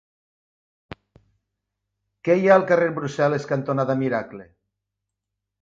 Què hi ha al carrer Brussel·les cantonada Miracle?